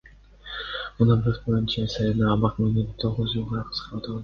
Мунапыс боюнча Исаевдин абак мөөнөтү тогуз жылга кыскартылды.